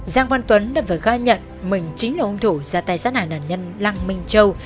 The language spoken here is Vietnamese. giang văn tuấn đã phải khai nhận mình chính là ông thủ gia tài sát hải nạn nhân lăng minh châu